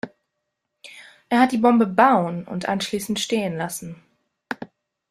Er hat die Bombe bauen und anschließend stehlen lassen.